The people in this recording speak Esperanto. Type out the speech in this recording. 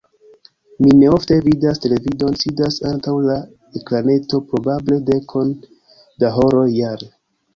Mi neofte vidas televidon, sidas antaŭ la ekraneto probable dekon da horoj jare.